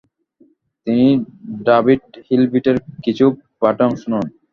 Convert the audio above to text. তিনি ডাভিড হিলবের্টের কিছু পাঠে অংশ নেন।